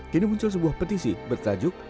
kini muncul sebuah petisi bertajuk